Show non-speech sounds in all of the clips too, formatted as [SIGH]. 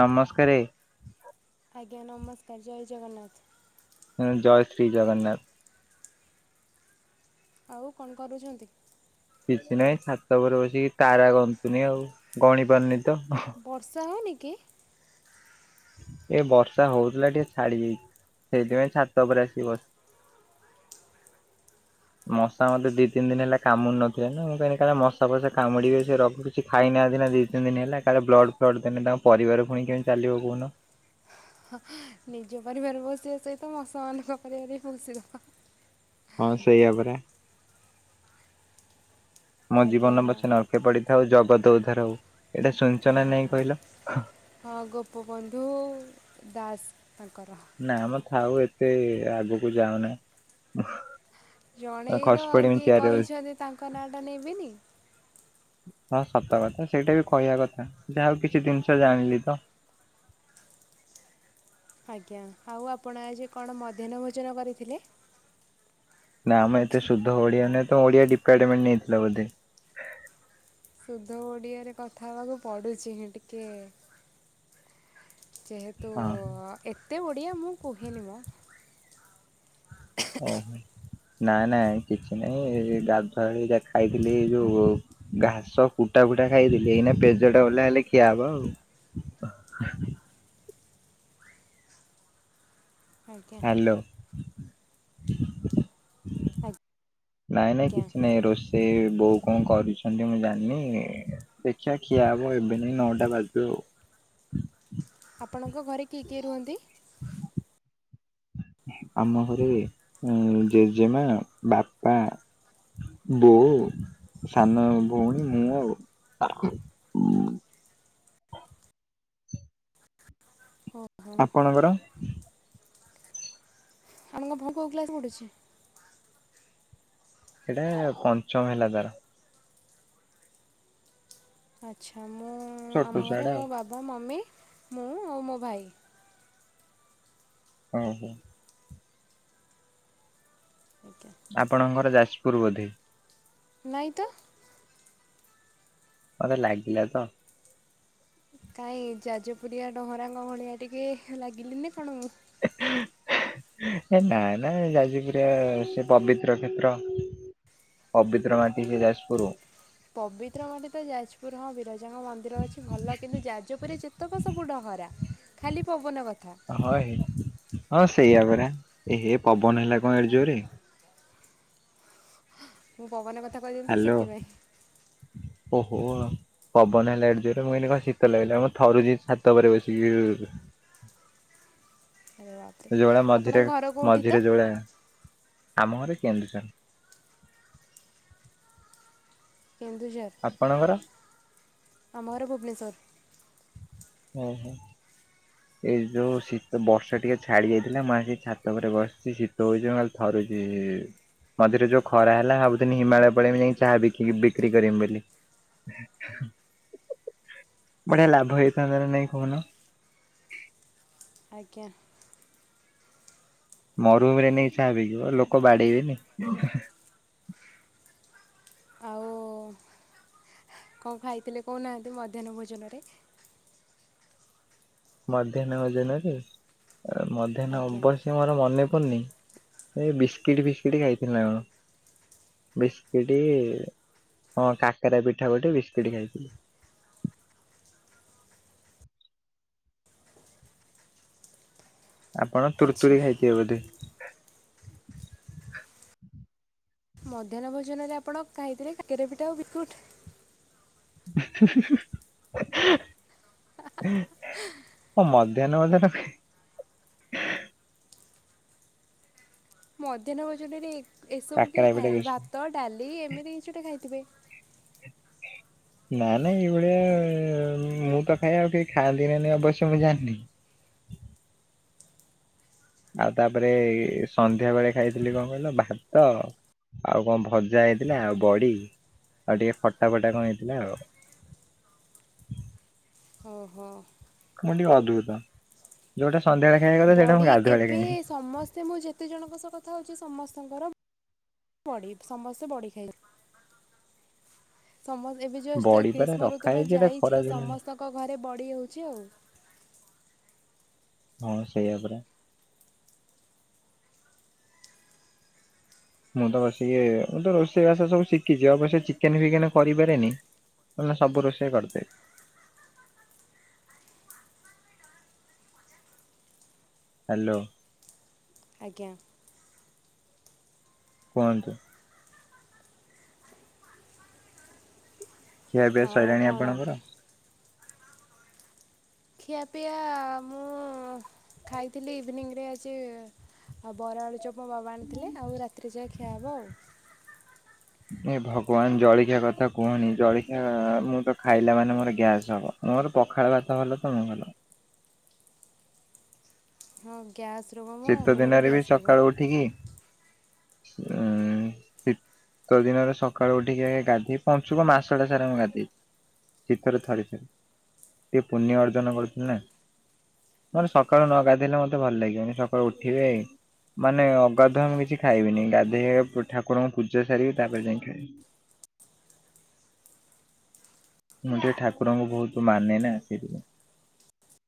ନମସ୍କାରେ। ଆଜ୍ଞା ନମସ୍କାର ଜୟ ଜଗନ୍ନାଥ। ହ ଜୟ ଶ୍ରୀ ଜଗନ୍ନାଥ। ଆଉ କଣ କରୁଛନ୍ତି? କିଛି ନାହିଁ ଛାତ ଉପରେ ବସିକି ତାରା ଗନ୍ତୁନି ଆଉ ଗଣି ପାରୁନି। ତ ବର୍ଷା ହୋଉନିକି। ଏ ବର୍ଷା ହଉଥିଲା ଟିକେ ଛାଡି ଯାଇଛି ସେଇଥିପାଇଁ ଛାତ ଉପରେ ଆସି ବସ ମଶା ମତେ ଦି ତିନି ଦିନ ହେଲା କାମୁନଥିଲା ନା ମୁଁ କହିନି କାଳେ ମଶା ଫଶା କାମୁଡିବେ ସେ ର କିଛି ଖାଇନ ଦି ତିନି ଦିନ ହେଲା କାଳେ ବ୍ଲଡ ଫ୍ଲଡ଼ ଦେନେ ତାଙ୍କ ପରିବାର ପୁଣି କେମ ଚାଲିବ କହୁନ? [INAUDIBLE] ନିଜ ପରିବାର ବସିବା ସହିତ ମସାମାନଙ୍କ ପରିବାର ହିଁ ବସିଦବ। ହଁ ସେଇଆପରା। ମୋ ଆଜ୍ଞା ଜୀବନର ପଛେ ନର୍କେ ପଡ଼ିଥାଉ ଜଗତ ଉଧାର ହଉ। ଏଇଟା ଶୁଣିଛ ନା ହଁ ନାଇଁ ହଁ କହିଲ? ହଁ ଗୋପବନ୍ଧୁ ଦାସ। ତାଙ୍କର। ନା ମ ଥାଉ ଏତେ ଆଗକୁ ଯାଉନାହିଁ। ଜଣେଇ ତ ଆଉ କିଏ କହିଛନ୍ତି ତାଙ୍କ ନାଁ ଟା ନେବିନି। ହଁ ସତ କଥା ସେଇଟା ବି କହିବା କଥା ଯାହାଉ କିଛି ଜିନିଷ ଜାଣିଲି ତ। [INAUDIBLE] ଆଜ୍ଞା ଆଉ ଆପଣ ଆଜି କଣ ମଧ୍ୟାହ୍ନ ଭୋଜନ କରିଥିଲେ? ନା ଆମେ ଏତେ ସୁଦ୍ଧ ଓଡିଆ ନହଁ ତ ଓଡିଆ ଡିପାର୍ଟମେଣ୍ଟ ନେଇଥିଲା ବୋଧେ। ସୁଧ ଓଡିଆରେ କଥା ହେବାକୁ ପଡୁଛି ହିଁ ଟିକେ ଯେହେତୁ ହଁ ଏତେ ବଢ଼ିଆ ମୁଁ କୁହେନି ମ। ଓହୋ। ନାଇ ନାଇ କିଛି ନାଇଁ ଗାଧୁଆଳି ଯା ଖାଇଥିଲି ଏ ଯୋଉ ଘାସ କୁଟ ଟା ଖାଇଦେଲି ଏଇନା ପେଜଟା ଓଲ୍ହା ହେଲେ ଖିଆ ହବ ଆଉ। [UNINTELLIGIBLE] ଆଜ୍ଞା ହାଲୋ। ନାଇଁ ନାଇଁ ଆଜ୍ଞା। କିଛି ନାଇଁ ରୋଷେଇ ବୋଉ କଣ କରୁଛନ୍ତି ମୁଁ ଜାଣିନି ଦେଖିଆ ଖିଆ ହବ ଏବେ ନାଇଁ ନଅଟା ବାଜୁ। ଆପଣଙ୍କ ଘରେ କିଏ କିଏ ରୁହନ୍ତି? ହ ଆମ ଘରେ ଆଁ ଜେଜେମା, ବାପା ବୋଉ ସାନ ଭୋଉଣୀ ମୁଁ ଆଉ। ଓହୋ ଆପଣଙ୍କର? ଆପଣଙ୍କ ଭୋଉ କୋଉ କ୍ଲାସ ପଡୁଚି? ଏଟା ପଞ୍ଚମ ହେଲା ତାର। ଆଚ୍ଛା ମୁଁ, ଛୋଟ ଆମ ଘରେ ଛୁଆଟା ମୋ ବାବା, ମମି, ମୁଁ ଆଉ ମୋ ଭାଇ। ଓହୋ। ଆଜ୍ଞା ଆପଣଙ୍କର ଯାଜପୁର ବୋଧେ? ନାଇଁ ତ। ମତେ ଲାଗିଲା ତ। କାଇଁ ଯାଜପୁରିଆ ଡହରାଙ୍କ ଭଳିଆ ଟିକେ ଲାଗିଲିନା କଣ ମୁଁ? ଏ ନା ନା ଯାଜିପୁରିଆ ସେ ପବିତ୍ର କ୍ଷେତ୍ର। ପବିତ୍ର ମାଟି ସେ ଯାଜପୁରୁ। ପବିତ୍ର ମାଟି ତ ଯାଜପୁର ହଁ ବିରଜାଙ୍କ ମନ୍ଦିର ଅଛି ଭଲ କିନ୍ତୁ ଯାଜପୁରିଆ ଯେତକ ସ ସବୁ ଡହରା। ଖାଲି ପବନ କଥା ହ ହେ ହଁ ସ୍ ସେଇଆ ପରା ଏହେ ପବନ ହେଲା କଣ ଏଡ୍ ଜୋରେ। ମୁଁ ପବନା କଥା କହିଦେଲି ତ ହାଲୋ ସେଥିପାଇଁ। ଓହୋ ପବନ ହେଲା ଏଡେ ଜୋରେ ମୁ କହିଲି କଣ ଶୀତ ଲାଗିଲା ମୁଁ ଥରୁଛି ଛାତ ଓପରେ ବସିକି ଇଇ। ହ ରାପରେ ଯୋଉ ଭଳିଆ ମଝିରେ ଆପଣଙ୍କ ଘର କୋଉଠି ମଝିରେ ତ? ଯୋଉ ଭଳିଆ ଆମ ଘରେ କେନ୍ଦୁଝର। କେନ୍ଦୁଝର ଆପଣଙ୍କର ଆମ ଘର ଭୁବନେଶ୍ୱର। ଓହୋ। ଏଇ ଯୋଉ ଶୀତ ବର୍ଷା ଟିକେ ଛାଡି ଯାଇଥିଲା ମୁଁ ଆସିକି ଛାତ ଓପରେ ବସଚି ଶୀତ ହୋଉଚି ମୁଁ ଖାଲି ଥରୁଚି। ଇ ମଝିରେ ଯୋଉ ଖରା ହେଲା ଭାବୁଥିନି ହିମାଳୟ ପଳେଇମି ଯାଇଁକି ଚାହା ବିକିକି ବିକ୍ରି କରିମି ବୋଲି। ଏ ହେ ହ ହ [INAUDIBLE] ବଢିଆ ଲାଭ ହେଇଥାନ୍ତା ନା ନାଇଁ କୋହୁନ। ଆଜ୍ଞା। ମରୁଭୂମିରେ ନେଇକି ଚାହା ବିକିବ ଲୋକ ବାଡେଇବେନି। କଁ ଖାଇଥିଲେ କୋହୁନାହାନ୍ତି ମଧ୍ୟାହ୍ନ ଭୋଜନରେ? ମଧ୍ୟାହ୍ନ ଭୋଜନରେ ମଧ୍ୟାହ୍ନ ଆଜ୍ଞା ଅବଶ୍ୟ ମୋର ମନେ ପଡୁନି ଏ ବିସ୍କିଟି ଫିସ୍କିଟି ଖାଇଥିଲି ନା କଣ। ବିସ୍କିଟି ହଁ କାକରା ପିଠା ଗୋଟେ ବିସ୍କିଟି ଖାଇଥିଲି। [INAUDIBLE] ଆପଣ ଆଚ୍ଛା ତୁରତୁୁରୀ ଖାଇଥିବେ ବୋଧେ? ମଧ୍ୟାହ୍ନ ଭୋଜନରେ ଆପଣ ଖାଇଥିଲେ କାକେରା ପିଠା ଆଉ ବିସ୍କୁଟ୍। ଉ ହୁ ହୁ ହୁ। ହଁ ମଧ୍ୟାହ୍ନ ଭୋଜନ ଖାଇ ମଧ୍ୟାହ୍ନ ଭୋଜନରେ ଏ ଏସବୁ କାକରା କିଏ ପିଠା ଖାଏ ବିସ୍କୁଟ ଭାତ ଡାଲି ଏମିତି କିଛି ଗୋଟେ ଖାଇଥିବେ। ହଁ ନା ନାଇଁ ଏଇ ଭଳିଆ ଉଁ ମୁଁ ତ ଖାଇ ଆଉ କେହି ଖାଆନ୍ତି ନା ନାହିଁ ଅବଶ୍ୟ ମୁଁ ଜାଣିନି। [INAUDIBLE] ଆଉ ତାପରେ ଏ ସନ୍ଧ୍ୟା ବେଳେ ଖାଇଥିଲି କଣ କହିଲ ଭାତ। ଆଉ କଣ ଭଜା ହେଇଥିଲା ଆଉ ବଡି। ଆଉ ଟିକେ ଫଟା ଫଟା କଣ ହେଇଥିଲା ଆଉ। ଓହୋ। ମୁଁ ଟିକେ ଅଦ୍ଭୁତ ଯୋଉଟା ସନ୍ଧ୍ୟାବେଳେ ଖାଇବା କଥା ସେଇଟା ମୁଁ ବଡି ଗାଧୁଆଳେ ଏବେ ଖାଇବି। ସମସ୍ତେ ମୁଁ ଯେତେ ଜଣଙ୍କ ସହ କଥା ହଉଛି ସମସ୍ ଙ୍କର ବଡି ସମସ୍ତେ ବଡ଼ି ଖାଇଲେ। ସମସ୍ତ ଏବେ ଜଷ୍ଟ ବଡି ପରା ଗ୍ରୀଷ୍ମ ରଖା ଋତୁଟା ହେଇଛି ଏଟା ଯାଇଛି ଖରା ତ ଦିନ ସମସ୍ତଙ୍କ ଘରେ ବଡ଼ି ହଉଛି ଆଉ। ହଁ ସେୟା ପରା। ମୁଁ ତ ବସିକି ଏ ମୁଁ ତ ରୋଷେଇ ବାଷା ସବୁ ଶିଖିଛି ଅବଶ୍ୟ ଚିକେନ ଫିକେନ କରି ପାରେନି। କଣନା ସବୁ ରୋଷେଇ କରିଦେ ଆ ହ୍ୟାଲୋ। ଆଜ୍ଞା। କୁହନ୍ତୁ। କିିଆପିଆ ଆଉ ସଇଲାଣି କଣ? ଆପଣଙ୍କର? ଖିଆପିଆ ମୁଁ ଖାଇଥିଲି ଇଭିନିଂରେ ଆଜି ଆଉ ବରା ଆଳୁଚପ ବାବା ଆଣିଥିଲେ ଆଉ ରାତିରେ ଯା ଖିଆ ହବ ଆଉ। ଏ ଭଗବାନ ଜଳଖିଆ କଥା କୁହନି ଜଳଖିଆ ମୁଁ ତ ଖାଇଲା ମାନେ ମୋର ଗ୍ୟାସ୍ ହବ। ମୋର ପଖାଳ ଭାତ ଭଲ ତ ମୁଁ ଭଲ। ହଁ। ଗ୍ୟାସ୍ ରୋଗ ମୋ ଶୀତ ମମିର ଦିନରେ ବି ଗ୍ୟାସ୍ ରୋଗ ସକାଳୁ ଉଠିକି ଉଁ ଶୀତ ଦିନରେ ସକାଳୁ ଉଠିକି ଗାଧେଇ ପଞ୍ଚୁକ ମାସଟା ସାରା ମୁଁ ଗାଧେଇଛି। ଶୀତରେ ଥରିଥିଲେ ସେ ପୁଣ୍ୟ ଅର୍ଜନ କରିଥିଲେ ନା। ମୋର ସକାଳୁ ନ ଗାଧେଇଲେ ମତେ ଭଲ ଲାଗିବନି ସକାଳୁ ଉଠିବେ ମାନେ ଅଗାଧୁଆ ମୁଁ କିଛି ଖାଇବିନି ଗାଧେଇ ଠାକୁରଙ୍କୁ ପୂଜା ସାରିକି ତାପରେ ଯାଇ ଖାଇବି। [INAUDIBLE] ମୁଁ ଟିକେ ଠାକୁରଙ୍କୁ ବହୁତ ମାନେନା ସେଇଥିପାଇଁ।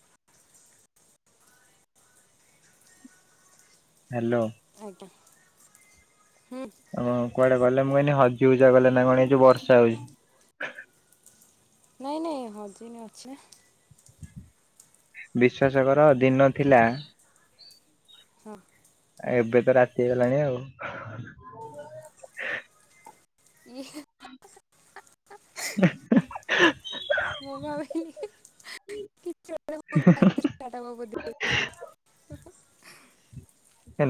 [INAUDIBLE] ହ୍ୟାଲୋ। ଆଜ୍ଞା। ହଁ। ଆପଣ କୁଆଡେ ଗଲେ ମୁଁ ଏଇନେ ହଜି ହୁଜା ଗଲେ ନା କଣ ଏ ଯଉ ବର୍ଷା ହଉଛି। ନାଇଁ ନାଇଁ ହଜିନି ଅଛି ନା। ବିଶ୍ଵାସ କର ଦିନ ଥିଲା ହଁ। ଏବେତ ରାତି ହେଇଗଲାଣି ଆଉ ଇ [INAUDIBLE] ମୁଁ ଭାବିଲି କି ଛି [UNINTELLIGIBLE] ପଷ୍ଟାର୍ଟପ ହବ ବୋଧେ।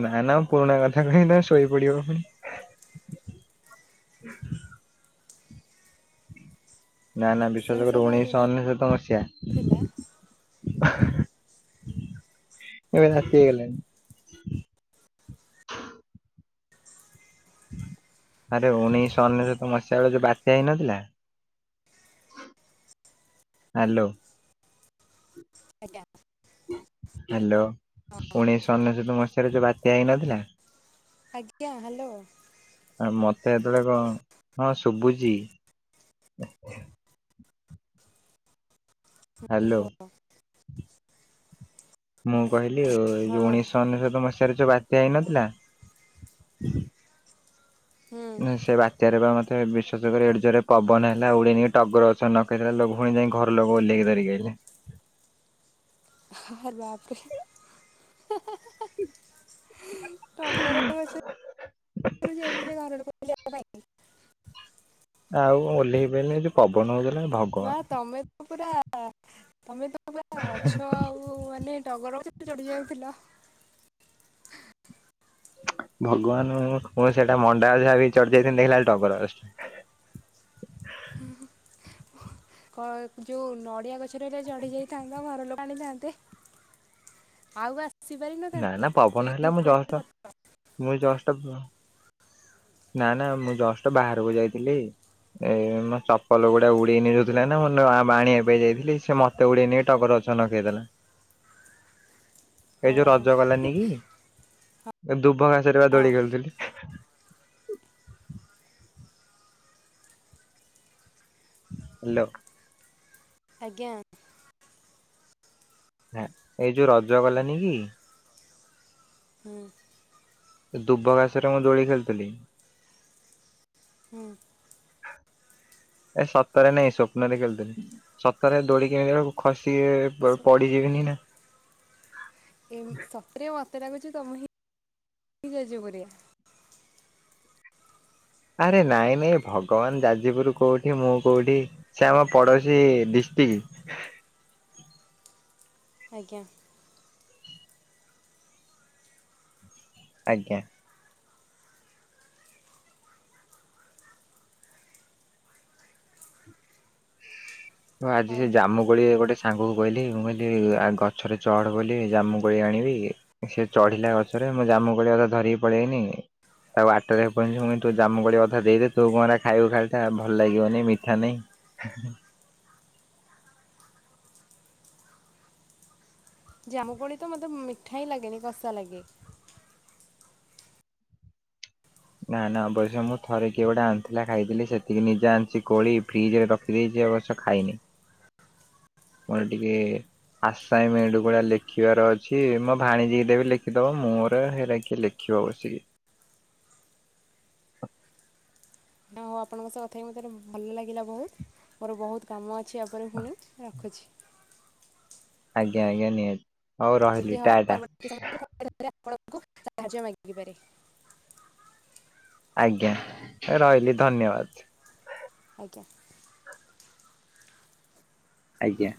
ନା ନା ପୁରୁଣା କଥା କହିଲ ଶୋଇପଡିବ ପୁଣି। ହ ନା ନା ବିଶେଷ କରି ବିଶ୍ୱାସ ଉଣେଇଶ ଦିନ ଅନେଶତ ମସିହା ଥିଲା [UNINTELLIGIBLE] ଏବେ ରାତି ହେଇଗଲାଣି। ଆରେ ଉଣେଇଶ ଅନେଶ୍ୱତ ମସିହା ବେଳେ ଯୋଉ ବାତ୍ୟା ହେଇନଥିଲା? ହ୍ୟାଲୋ। ଆଜ୍ଞା ହ୍ୟାଲୋ, ଉଣେଇଶ ଅନେଶତ ମସିହାରେ ଯୋଉ ବାତ୍ୟା ହେଇନଥିଲା। ଆଜ୍ଞା ହ୍ୟାଲୋ। ଆ ମତେ ଯେତେବେଳେ କଣ, ହଁ ଶୁଭୁଚି। ହାଲୋ ହପ [UNINTELLIGIBLE] ମୁଁ କହିଲି ଏଇ ଯୋଉ ଉଣେଇ ହଁ ଅନେଶତ ମସିହା ରେ ଯୋଉ ବାତ୍ୟା ହେଇନଥିଲା। ସେ ବାତ୍ୟାରେ ମତେ ବିଶ୍ୱାସ କରି [UNINTELLIGIBLE] ଏଡେ ଜୋରେ ପବନ ହେଲା ଉଡେଇ ନେଇକି ଟଗର ଗଛରେ [UNINTELLIGIBLE] ଯାଇ ଘର ଲୋକ ଓଲ୍ଲେଇକ ଧରିିକି ଆସିଲେ। ଆଉ ତାପରେ [INAUDIBLE] ଟଗର ଗଛ ଏଇ ଥିରେ [UNINTELLIGIBLE] ଆଉ ଓହ୍ଲେଇ ବେନି ପବନ ହଉ ବା ତମେ ତ ପୁରା ତମେ ତ ଗଛ ଆଉ ମାନେ ଟଗର ଗଛ ଚଢି ଯାଉଥିଲ। ଭଗବାନ ସେଇଟା ମଣ୍ଡା ଗଛ ଭାବିକି ଚଢି ଯାଇଥାଆନ୍ତି ଦେଖିଲା ଟଗର ଗଛ। ହୁଁ। ଯୋଉ ନଡିଆ ଗଛରେ ହେଲେ ଚଢି ଯାଇଥାଅନ୍ତ ଘର ଲୋକ ଆଣିଥାନ୍ତେ। ଆଉ ବାସ ନା ନା ପବନ ହେଲେ ମୁଁ ଯଷ୍ଟ ଫଟୋ ମୁଁ ଯଷ୍ଟ ନା ନା ମୁଁ ଜଷ୍ଟ ବାହାରକୁ ଯାଇଥିଲି। ଏଇ ମୋ ଚପଲ ଗୁଡା ଉଡେଇ ନେଇ ଯାଉଥିଲା ନା ମୁଁ ଆଣିବା ପାଇଁ ଯାଇଥିଲି ସେ ମତେ ଉଡେଇନେଇ ଟଗର ଗଛ ଲଗେଇଦେଲା। [INAUDIBLE] ଏଇ ଯୋଉ ହଁ ରଜ ଗଲାନି କି, ଦୁବ ଘାସରେ ବା ହଁ ଦୋଳି ଖେଳୁଥିଲି। ହାଲୋ। ଆଜ୍ଞା। ଏଇ ଯୋଉ ରଜ ଗଲାନି କି? ହୁଁ ଦୁବ ଘାସରେ ମୁଁ ଦୋଳି ଖେଳୁଥିଲି। [INAUDIBLE] ଏ ସତରେ ନାଇଁ ସ୍ୱପ୍ନରେ ଖେଳୁଥିଲି ସତରେ ଦୋଳିି କେ କେମିତି ଖସି ସ- ପଡିଯିବିନି। ନା। [INAUDIBLE] ଏ ସତରେ ମତେ ଲାଗୁଚି ତମେ ହିଁ [UNINTELLIGIBLE] ଆରେ ନାଇଁ ନାଇଁ ଭଗବାନ ଯାଜପୁର କୋଉଠି ମୁଁ କୋଉଠି ସେ ଆମ ପଡୋଶୀ ଡିସ ଟି ହ ଆଜ୍ଞା। ଆଜ୍ଞା। ଆଜି ହଉ। ସେ ଜାମୁ କୋଳି ଗୋଟେ ସାଙ୍ଗ କୁ କହିଲି ମୁଁ କହିଲି ଆ ଗଛରେ ଚଢ ବୋଲି ଜାମୁ କୋଳି ଆ ଣିବି ସେ ଚଢିଲା ଗଛରେ ମୁଁ ଜାମୁ କ କଥା ଧରିକି ପଳେଇଆନି। ତାକୁ ବାଟରେ ପହଞ୍ଚିବୁ ତୁ ଜାମୁ କୋଳି ଅଧା ଦେଇଦେ ତୁ କଣ ଟା ଖାଇବୁ ଖାଇ ଭଲ ଲାଗିବନି ମିଠା ନା ହ ଜାମୁକୋଳି ତ ମୋତେ ମିଠା ହିଁ ଲାଗେନି, କଷା ଲାଗେ। ନା ନା ଅବସ ମୁଁ ଥରେ କିଏ ଗୋଟେ ଆଣିଥିଲା ଖାଇଥିଲି ସେତିକି ନିଜେ ଆଣିଚି କୋଳି ଫ୍ରିଜ ରେ ରଖିଦେଇ ଏ ବର୍ଷ ଖାଇନି। ମୋର ଟିକେ ଆସାଇମେଣ୍ଟ ଗୁଡା ଲେଖିବାର ଅଛି ମୋ ଭାଣୀଜି ଦେବି ଲେଖିଦବ ମୋର ହେରା କି ଲେଖି ଯ ବସିକି। ହଉ ଆପଣଙ୍କ ସହ କଥା ହେଇକି ମୋତେ ଭଲ ଲାଗିଲା ବହୁତ ମୋର ବହୁତ କାମ ଅ [UNINTELLIGIBLE] ପୁଣି ରଖୁଛି। ଆଜ୍ଞା ଆଜ୍ଞା ନିହାତି। ହଉ ରହିଲି ଟା ଟା [UNINTELLIGIBLE] ଆପଣ ସାହାଯ୍ୟ ମାଗିପାରେ। ଆଜ୍ଞା ରହିଲି ଧନ୍ୟବାଦ। ଓ୍ ଆଜ୍ଞା।